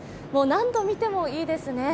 何度見てもいいですね。